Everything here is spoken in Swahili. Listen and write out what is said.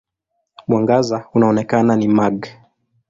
Mwangaza unaoonekana ni mag.